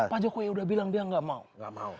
pak jokowi udah bilang dia gak mau